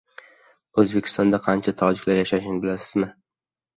O‘zbekistonda qancha tojiklar yashashini bilasizmi?